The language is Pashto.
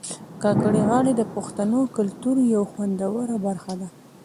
کاکړۍ غاړي د پښتنو کلتور یو خوندوره برخه ده